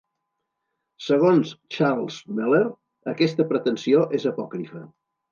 Segons Charles Moeller, "aquesta pretensió és apòcrifa".